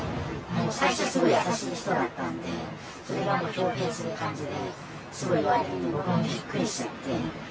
最初、すごい優しい人だったんで、それが豹変する感じで、すごい言われるんで、もうびっくりしちゃって。